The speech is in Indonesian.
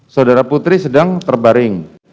saudara putri sedang terbaring